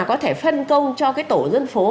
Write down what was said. có thể phân công cho cái tổ dân phố